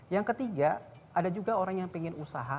yang ketiga ada juga orang yang ingin usaha